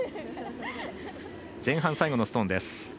前半、最後のストーンです。